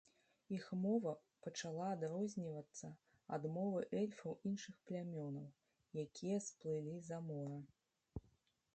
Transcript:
Іх мова пачала адрознівацца ад мовы эльфаў іншых плямёнаў, якія сплылі за мора.